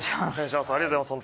ありがとうございます